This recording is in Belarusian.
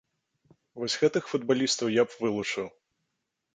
Вось гэтых футбалістаў я б вылучыў.